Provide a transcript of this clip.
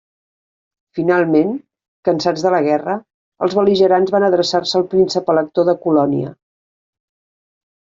Finalment, cansats de la guerra, els bel·ligerants van adreçar-se al Príncep elector de Colònia.